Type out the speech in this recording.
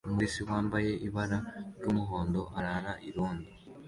Umupolisi wambaye ibara ry'umuhondo arara irondo